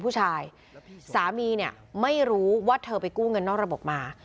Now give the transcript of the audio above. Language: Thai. สามีเนี่ยไม่รู้ว่าเธอไปกู้เงินนอกระบบมา